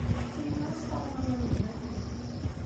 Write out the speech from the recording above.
Tili ad as-taɣem awal i yemma-twen.